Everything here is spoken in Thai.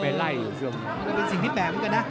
อันดับจะเป็นสิ่งที่แบบ๑ก็นะ